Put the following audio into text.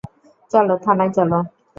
চলো, থানায় চল।